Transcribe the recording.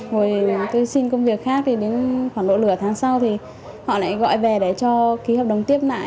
rồi tôi xin công việc khác thì đến khoảng độ nửa tháng sau thì họ lại gọi về để cho ký hợp đồng tiếp lại